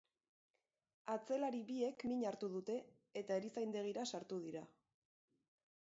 Atzelari biek min hartu dute eta erizaindegira sartu dira.